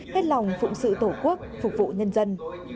hết lòng phụng sự tổ quốc phục vụ nhân dân